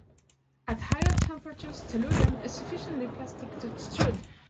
At higher temperatures tellurium is sufficiently plastic to extrude.